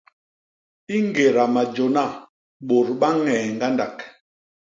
I ñgéda majôna bôt ba ññee ñgandak.